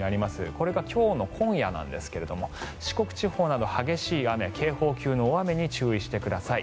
これが今日の今夜なんですが四国地方など激しい雨、警報級の大雨に注意してください。